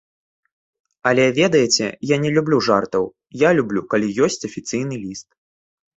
Але, ведаеце, я не люблю жартаў, я люблю калі ёсць афіцыйны ліст.